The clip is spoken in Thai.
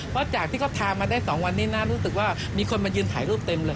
เพราะจากที่เขาทามาได้๒วันนี้นะรู้สึกว่ามีคนมายืนถ่ายรูปเต็มเลย